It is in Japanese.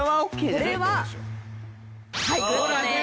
これははいグッドです。